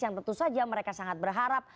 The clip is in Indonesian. yang tentu saja mereka sangat berharap